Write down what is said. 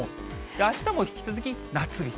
あしたも引き続き、夏日と。